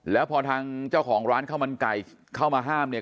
แล้วพอทางเจ้าของร้านข้าวมันไก่เข้ามาห้ามเนี่ย